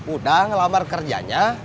udah ngelamar kerjanya